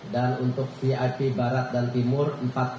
dan untuk vip barat dan pilih